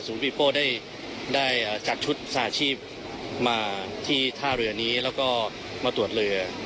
พี่โป้ได้จัดชุดสาชีพมาที่ท่าเรือนี้แล้วก็มาตรวจเรือ